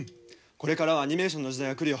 これからはアニメーションの時代が来るよ。